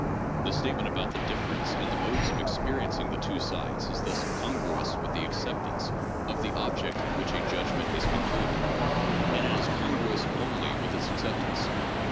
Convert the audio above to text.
The statement about the difference in the modes of experiencing the two sides is thus congruous with the acceptance of the object in which a judg ment is concluded— and it is congruous only with its acceptance.